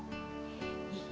いい？